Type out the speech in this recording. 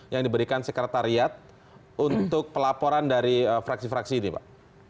yang diberikan sekretariat untuk pelaporan dari fraksi fraksi ini pak